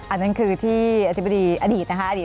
อันนั้นคือที่อธิบดีอดีตนะคะ